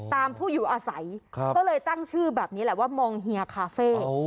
ผู้อยู่อาศัยก็เลยตั้งชื่อแบบนี้แหละว่ามองเฮียคาเฟ่